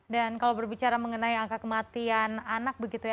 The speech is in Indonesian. dan kalau berbicara mengenai angka kematian anak begitu ya